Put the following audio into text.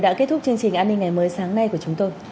đã kết thúc chương trình an ninh ngày mới sáng nay của chúng tôi